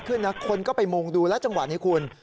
นะคนก็ไปมุงดูแล้วจังหวะนี้คุณ